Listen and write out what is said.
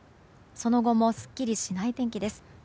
その後もすっきりしない天気です。